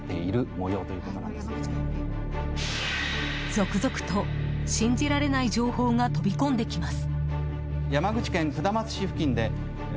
続々と、信じられない情報が飛び込んできます。